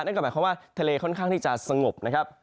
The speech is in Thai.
นั่นก็หมายความว่าทะเลค่อนข้างที่จะสงบนะครับ